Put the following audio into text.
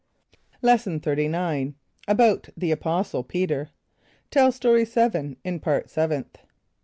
= Lesson XXXIX. About the Apostle Peter. (Tell Story 7 in Part Seventh.)